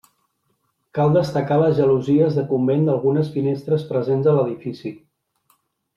Cal destacar les gelosies de convent d'algunes finestres presents a l'edifici.